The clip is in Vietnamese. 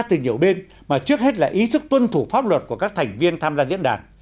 từ nhiều bên mà trước hết là ý thức tuân thủ pháp luật của các thành viên tham gia diễn đàn